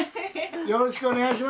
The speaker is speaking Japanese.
よろしくお願いします。